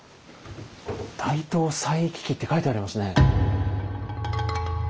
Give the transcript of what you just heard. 「大唐西域記」って書いてありますね。